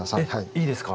いいですか？